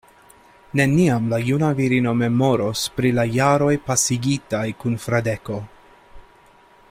Neniam la juna virino memoros pri la jaroj pasigitaj kun Fradeko.